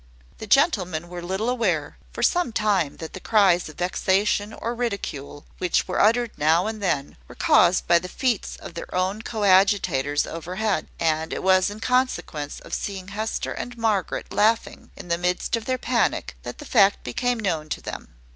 The gentlemen were little aware, for some time, that the cries of vexation or ridicule, which were uttered now and then, were caused by the feats of their own coadjutors overhead: and it was in consequence of seeing Hester and Margaret laughing in the midst of their panic that the fact became known to them.